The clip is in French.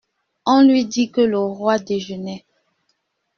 On lui dit que le roi déjeunait.